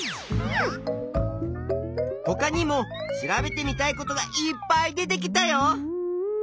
ほかにも調べてみたいことがいっぱい出てきたよ。